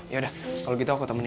yaudah kalo gitu aku temenin ya